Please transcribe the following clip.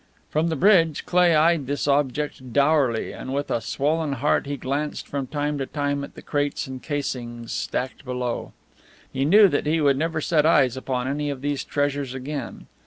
From the bridge Cleigh eyed this object dourly, and with a swollen heart he glanced from time to time at the crates and casings stacked below. He knew that he would never set eyes upon any of these treasures again.